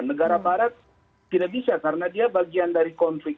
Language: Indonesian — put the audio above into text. negara barat tidak bisa karena dia bagian dari konflik